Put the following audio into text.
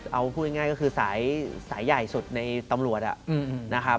เอาพูดง่ายก็คือสายใหญ่สุดในตำรวจนะครับ